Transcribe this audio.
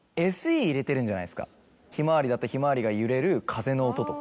『ひまわり』だったらひまわりが揺れる風の音とか。